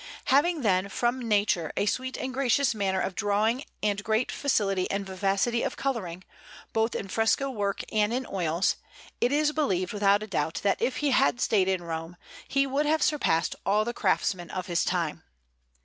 Having then from nature a sweet and gracious manner of drawing and great facility and vivacity of colouring, both in fresco work and in oils, it is believed without a doubt that if he had stayed in Rome, he would have surpassed all the craftsmen of his time.